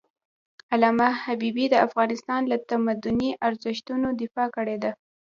علامه حبيبي د افغانستان له تمدني ارزښتونو دفاع کړی ده.